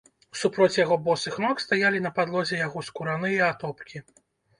Супроць яго босых ног стаялі на падлозе яго скураныя атопкі.